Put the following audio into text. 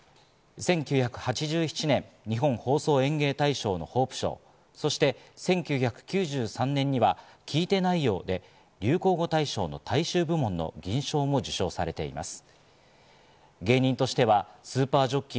１９８７年、日本放送演芸大賞のホープ賞、そして１９９３年には「聞いてないよ！」で流行語大賞の大衆部門の銀賞も受賞されています。